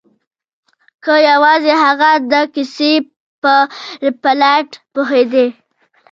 که یوازې هغه د کیسې په پلاټ پوهیدای